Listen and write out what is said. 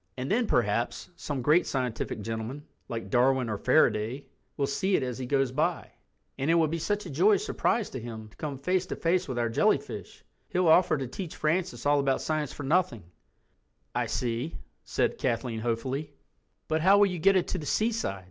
"And then perhaps some great scientific gentleman, like Darwin or Faraday, will see it as he goes by, and it will be such a joyous surprise to him to come face to face with our jellyfish; he'll offer to teach Francis all about science for nothing—I see," said Kathleen hopefully. "But how will you get it to the seaside?"